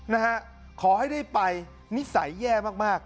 นะฮะขอให้ได้ไปนิสัยแย่มากมาก